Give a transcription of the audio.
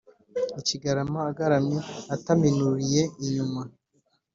ikigarama: agaramye ataminuriye inyuma;